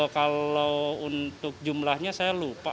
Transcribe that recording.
kalau untuk jumlahnya saya lupa